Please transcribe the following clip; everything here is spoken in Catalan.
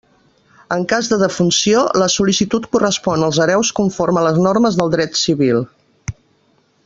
En cas de defunció, la sol·licitud correspon als hereus conforme a les normes del dret civil.